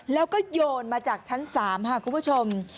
แล้วก็โยนมาจากชั้น๓ค่ะคุณผู้ชม